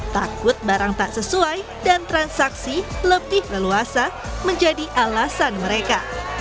takut barang tak sesuai dan transaksi lebih leluasa menjadi alasan mereka